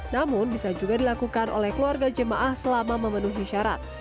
namun bisa juga dilakukan oleh keluarga jemaah selama memenuhi syarat